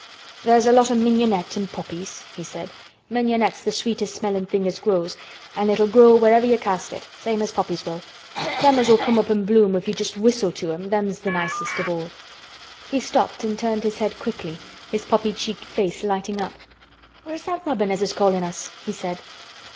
"There's a lot o' mignonette an' poppies," he said. "Mignonette's th' sweetest smellin' thing as grows, an' it'll grow wherever you cast it, same as poppies will. Them as'll come up an' bloom if you just whistle to 'em, them's th' nicest of all." He stopped and turned his head quickly, his poppy cheeked face lighting up. "Where's that robin as is callin' us?" he said.